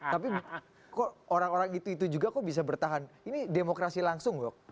tapi kok orang orang itu itu juga kok bisa bertahan ini demokrasi langsung kok